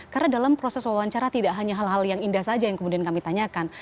karena dalam proses wawancara tidak hanya hal hal yang indah saja yang kemudian kami tanyakan